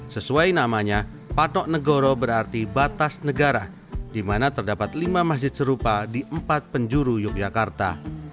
sesuai namanya patok negoro berarti batas negara di mana terdapat lima masjid serupa di empat penjuru yogyakarta